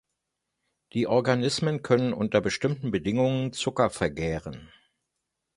Die Organismen können unter bestimmten Bedingungen Zucker vergären.